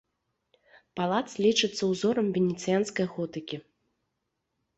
Палац лічыцца ўзорам венецыянскай готыкі.